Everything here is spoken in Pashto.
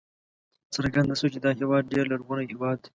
څرګنده شوه چې دا هېواد ډېر لرغونی هېواد دی.